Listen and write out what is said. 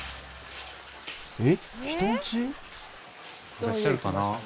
いらっしゃるかな？